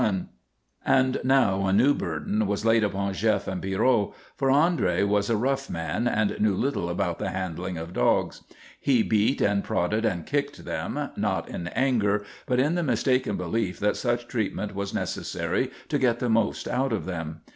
And now a new burden was laid upon Jef and Pierrot, for André was a rough man and knew little about the handling of dogs. He beat and prodded and kicked them, not in anger but in the mistaken belief that such treatment was necessary to get the most out of them.